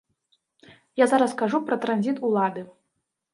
Я зараз кажу пра транзіт улады.